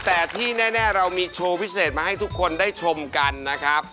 แต่ที่แน่เรามีโชว์พิเศษมาให้ทุกคนได้ชมกันนะครับ